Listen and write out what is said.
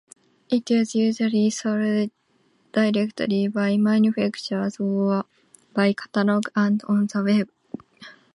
It is usually sold directly by manufacturers or by catalog and on the Web.